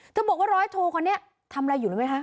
บอกว่าร้อยโทคนนี้ทำอะไรอยู่รู้ไหมคะ